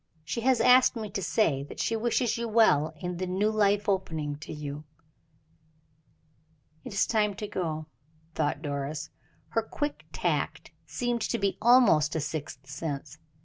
She has asked me to say that she wishes you well in the new life opening to you." "It is time to go," thought Doris. Her quick tact seemed to be almost a sixth sense.